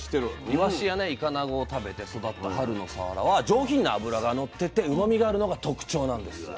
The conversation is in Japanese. イワシやイカナゴを食べて育った春のさわらは上品な脂がのっててうまみがあるのが特徴なんですよ。